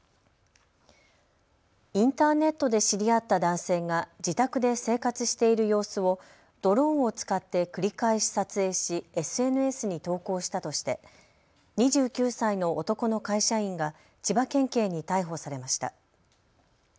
インターネットで知り合った男性が自宅で生活している様子をドローンを使って繰り返し撮影しＳＮＳに投稿したとして２９歳の男の会社員が千葉県警に逮捕されました。